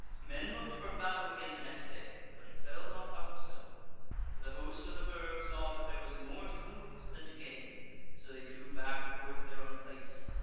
"Men looked for battle again the next day; but it fell not out so; for the host of the Burg saw that there was more to lose than to gain, so they drew back towards their own place.